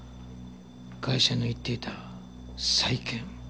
ガイシャの言っていた債権。